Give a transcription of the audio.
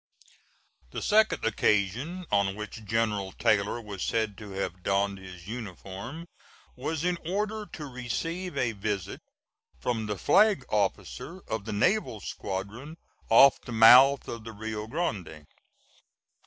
The second occasion on which General Taylor was said to have donned his uniform, was in order to receive a visit from the Flag Officer of the naval squadron off the mouth of the Rio Grande.